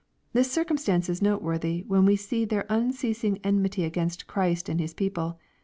This circumstance is note worthy, when we see their unceasing enmity against Christ and His people.